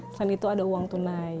selain itu ada uang tunai